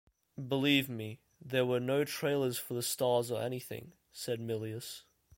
"Believe me, there were no trailers for the stars or anything," said Milius.